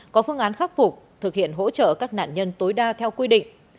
có phương án khắc phục thực hiện hỗ trợ các nạn nhân tối đa theo quy định